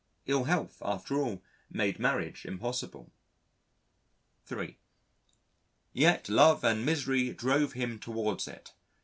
Ill health after all made marriage impossible. (3) Yet love and misery drove him towards it.